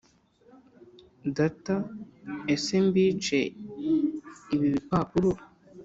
data ese mbice ibi bipapuro